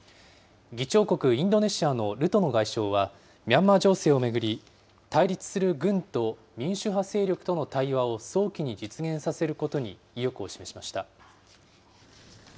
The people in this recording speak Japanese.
議長国インドネシアのルトノ外相は、ミャンマー情勢を巡り、対立する軍と民主派勢力との対話を早期に実現させることに意欲を示しました。